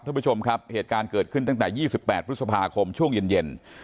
ท่านผู้ชมครับเหตุการณ์เกิดขึ้นตั้งแต่๒๘พฤษภาคมช่วงเย็น